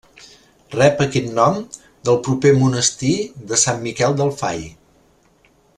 Rep aquest nom del proper monestir de Sant Miquel del Fai.